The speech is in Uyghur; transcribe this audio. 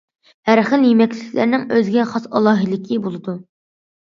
ھەر خىل يېمەكلىكلەرنىڭ ئۆزىگە خاس ئالاھىدىلىكى بولىدۇ.